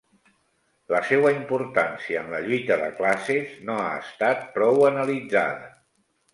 La seua importància en la lluita de classes no ha estat prou analitzada.